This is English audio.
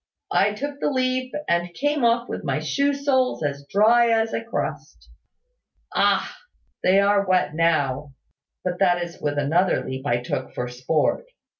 I took the leap, and came off with my shoe soles as dry as a crust. Ah! They are wet now; but that is with another leap I took for sport.